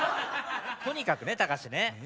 とにかくねたかしね